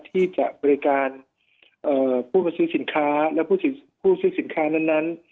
ที่จะบริการผู้มาซื้อสินค้าและผู้ซื้อสินค้านั้น